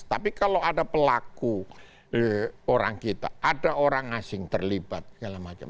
tapi kalau ada pelaku orang kita ada orang asing terlibat segala macam